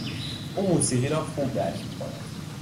او موسیقی را خوب درک می کند.